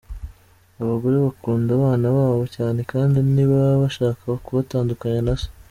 Abagore bakunda abana babo cyane kandi ntibaba bashaka kubatandukanya na se.